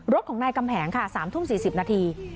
รถของนายกำแหงค่ะ๓ทุ่ม๔๐นาที